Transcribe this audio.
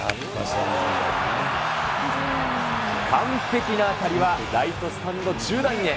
完璧な当たりはライトスタンド中段へ。